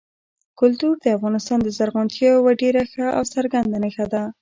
کلتور د افغانستان د زرغونتیا یوه ډېره ښه او څرګنده نښه ده.